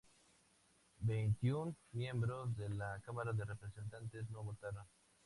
Veintiún miembros de la Cámara de Representantes no votaron.